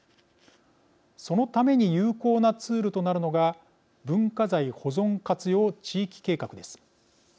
そのために有効なツールとなるのが文化財保存活用地域計画です。